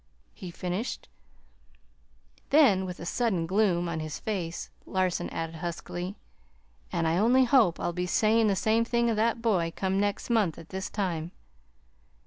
he finished; then, with a sudden gloom on his face, Larson added, huskily: "An' I only hope I'll be sayin' the same thing of that boy come next month at this time!"